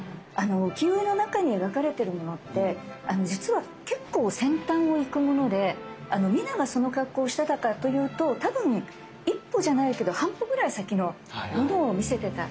浮世絵の中に描かれてるものって実は結構先端をいくもので皆がその格好をしてたかというと多分一歩じゃないけど半歩ぐらい先のものを見せてた。